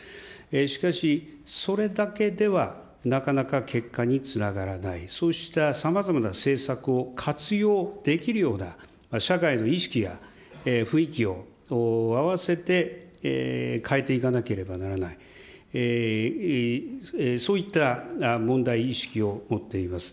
しかし、それだけではなかなか結果につながらない、そうしたさまざまな政策を活用できるような社会の意識や雰囲気をあわせて変えていかなければならない、そういった問題意識を持っています。